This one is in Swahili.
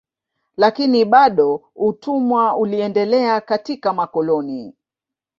Lakini bado utumwa uliendelea katika makoloni.